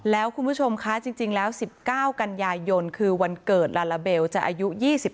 แล้วคุณผู้ชมคะจริงแล้ว๑๙กันยายนคือวันเกิดลาลาเบลจะอายุ๒๓